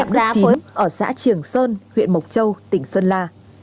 ông phạm đức chín ở xã triềng sơn huyện mộc châu tỉnh sơn la